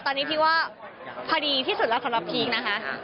ตอนนี้พีคว่าพอดีที่สุดแล้วสำหรับพีคนะคะ